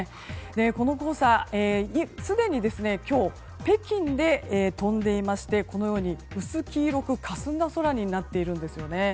この黄砂すでに今日北京で飛んでいて薄黄色くかすんだ空になっているんですよね。